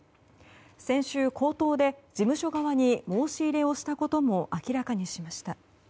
先週、口頭で事務所側に申し入れをしたことも明らかにしました。